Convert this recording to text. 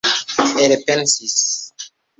elpensis